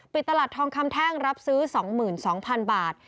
ปิดตลาดทองคำแท่งรับซื้อ๒๒๐๐๐บาท